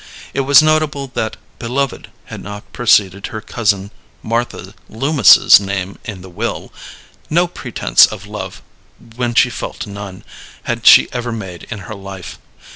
It was notable that "beloved" had not preceded her cousin Martha Loomis's name in the will. No pretence of love, when she felt none, had she ever made in her life.